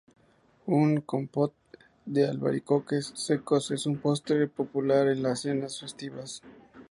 Un "kompot" de albaricoques secos es un postre popular en las cenas festivas.